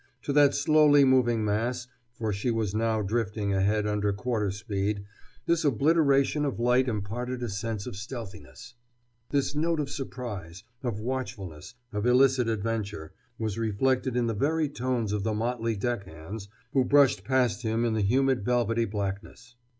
To that slowly moving mass, for she was now drifting ahead under quarter speed, this obliteration of light imparted a sense of stealthiness. This note of suspense, of watchfulness, of illicit adventure, was reflected in the very tones of the motley deckhands who brushed past him in the humid velvety blackness.